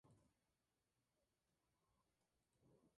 comerás